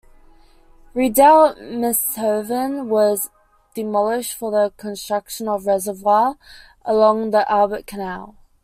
Redoubt Massenhoven was demolished for the construction of a reservoir along the Albert canal.